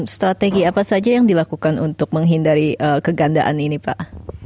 strategi apa saja yang dilakukan untuk menghindari kegandaan ini pak